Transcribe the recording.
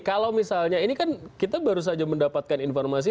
kalau misalnya ini kan kita baru saja mendapatkan informasi